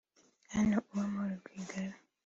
Anne Uwamahoro Rwigara